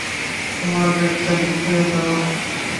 তোমার ব্যাগটা নিতে দাও।